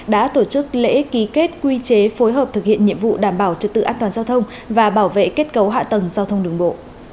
đã tổ chức lễ ký kết quy chế phối hợp thực hiện nhiệm vụ đảm bảo trật tự an toàn giao thông và bảo vệ kết cấu hạ tầng giao thông đường bộ